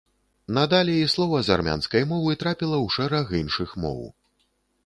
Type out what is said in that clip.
Надалей слова з армянскай мовы трапіла ў шэраг іншых моў.